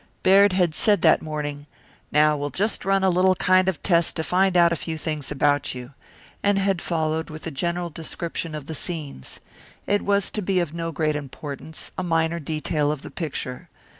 Baird had said that morning, "Now we'll just run a little kind of test to find out a few things about you," and had followed with a general description of the scenes. It was to be of no great importance a minor detail of the picture.